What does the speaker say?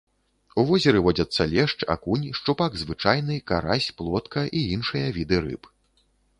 У возеры водзяцца лешч, акунь, шчупак звычайны, карась, плотка і іншыя віды рыб.